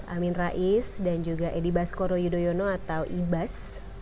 amin rais dan juga edi baskoro yudhoyono atau ibas